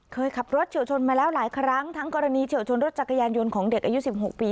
เคยขับรถเฉียวชนมาแล้วหลายครั้งทั้งกรณีเฉียวชนรถจักรยานยนต์ของเด็กอายุ๑๖ปี